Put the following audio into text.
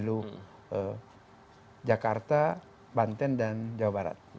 dengan pemilu jakarta banten dan jawa barat